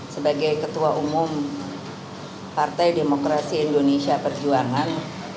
sebagai ketua umum partai demokrasi indonesia perjuangan